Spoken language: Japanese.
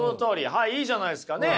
はいいいじゃないですかね。